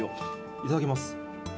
いただきます。